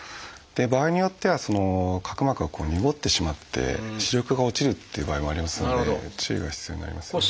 場合によっては角膜が濁ってしまって視力が落ちるっていう場合もありますので注意が必要になりますね。